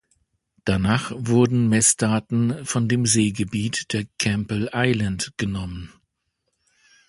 Danach wurden Messdaten von dem Seegebiet der Campbell Island genommen.